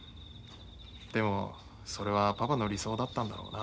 でもそれはパパの理想だったんだろうな。